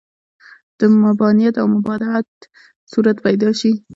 د مباینت او مباعدت صورت پیدا شي.